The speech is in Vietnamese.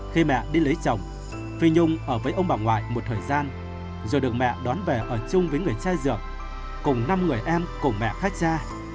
khi mẹ đi lấy chồng phi nhung ở với ông bà ngoại một thời gian rồi được mẹ đón về ở chung với người trai dược cùng năm người em cùng mẹ khách cha